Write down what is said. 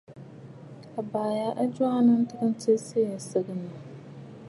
Àbàʼà ya a jwaanə ntəə tsiʼì tɨ̀ stsetə̀.